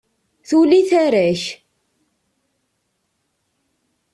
Tuli tara-k!